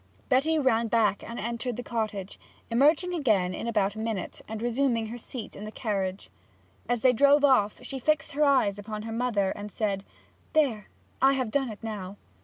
Betty ran back and entered the cottage, emerging again in about a minute, and resuming her seat in the carriage. As they drove on she fixed her eyes upon her mother and said, 'There, I have done it now!'